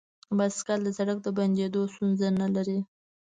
بایسکل د سړک د بندیدو ستونزه نه لري.